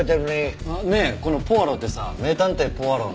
ねえこの「ポワロー」ってさ『名探偵ポワロ』の。